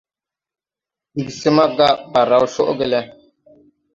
Ig smaga, Bale raw coʼge le.